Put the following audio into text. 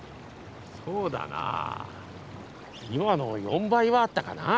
そうだなぁ今の４倍はあったかなぁ。